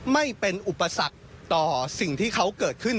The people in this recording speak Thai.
ไม่เป็นอุปสรรคต่อสิ่งที่เขาเกิดขึ้น